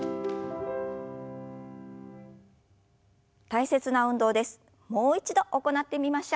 大切な運動です。